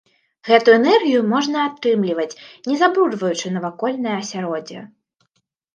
Гэту энергію можна атрымліваць не забруджваючы навакольнае асяроддзе.